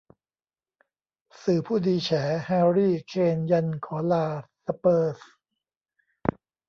สื่อผู้ดี แฉ แฮร์รี่ เคน ยันขอลา สเปอร์ส